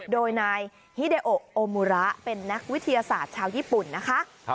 โดยนายฮิเดโอโอมูระเป็นนักวิทยาศาสตร์ชาวญี่ปุ่นนะคะ